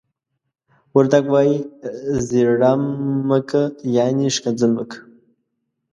وردگ وايي: "زيَړِ مَ کَ." يعنې ښکنځل مه کوه.